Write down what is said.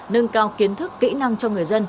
nâng cao kiến thức kỹ năng cho người dân